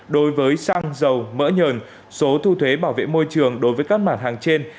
đối với xăng dầu mỡ nhờn số thu thuế bảo vệ môi trường đối với các mặt hàng trên